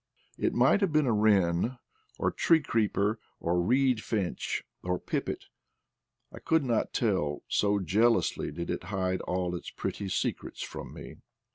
It might have been a wren, or tree creeper, or reed finch, or pipit; I could not tell, so jealously did it hide all its pretty secrets from me.